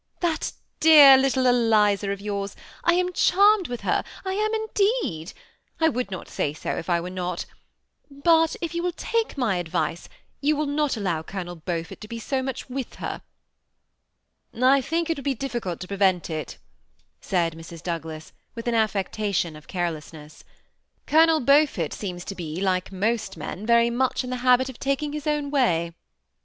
That dear little Eliza of yours, I am charmed with her ; I am, indeed. I would not say so if I were not ; but if you will take my advice, you will not allow Colonel Beaufort to be so much with her." " I think it would be difficult to prevent it," said Mrs. Douglas, with an affectation of carelessness. " Colonel Beaufort seems to be, like most men, very much in the habit of taking his own way."